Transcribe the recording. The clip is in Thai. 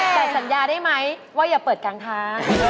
แต่สัญญาได้ไหมว่าอย่าเปิดกลางทาง